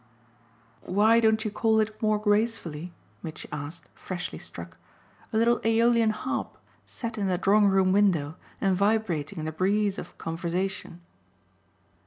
"Why don't you call it more gracefully," Mitchy asked, freshly struck, "a little aeolian harp set in the drawing room window and vibrating in the breeze of conversation?"